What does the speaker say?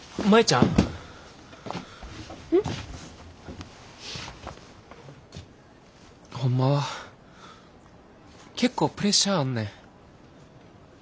ん？ホンマは結構プレッシャーあんねん。